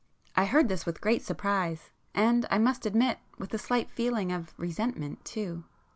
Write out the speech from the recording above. I heard this with great surprise, and, I must admit with a slight feeling of resentment too.